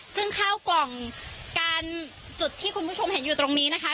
ซึ่งข้าวกล่องการจุดที่คุณผู้ชมเห็นอยู่ตรงนี้นะคะ